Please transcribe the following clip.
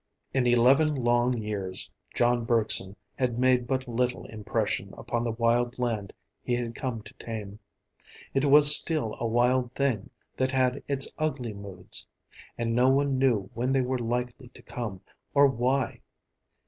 In eleven long years John Bergson had made but little impression upon the wild land he had come to tame. It was still a wild thing that had its ugly moods; and no one knew when they were likely to come, or why.